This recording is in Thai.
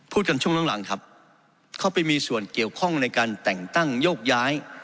กันช่วงหลังครับเข้าไปมีส่วนเกี่ยวข้องในการแต่งตั้งโยกย้าย